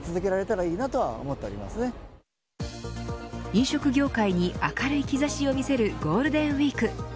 飲食業界に明るい兆しを見せるゴールデンウイーク。